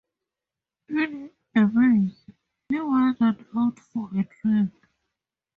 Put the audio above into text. In a maze, he wandered out for a drink.